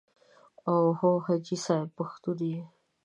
او هو حاجي صاحب پښتون یې.